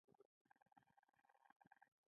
مصنوعات یې په هېواد او بهر کې خوښوونکي لري.